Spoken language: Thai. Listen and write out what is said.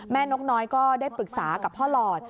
นกน้อยก็ได้ปรึกษากับพ่อหลอด